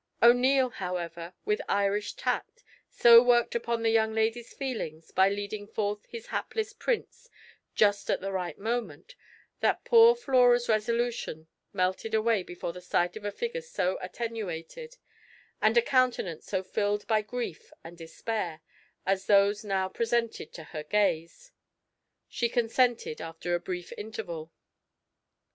O'Neil, however, with Irish tact, so worked upon the young lady's feelings, by leading forth his hapless Prince just at the right moment, that poor Flora's resolutions melted away before the sight of a figure so attenuated, and a countenance so filled by grief and despair, as those now presented to her gaze. She consented, after a brief interval.